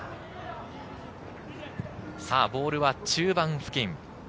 ボールは中盤付近。